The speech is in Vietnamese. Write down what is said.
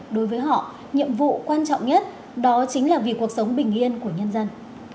đối với họ nhiệm vụ quan trọng nhất đó chính là vì cuộc sống bình yên của nhân dân